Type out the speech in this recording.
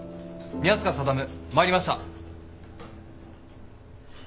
宮坂定参りました。